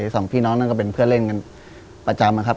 สองพี่น้องนั่นก็เป็นเพื่อนเล่นกันประจำนะครับ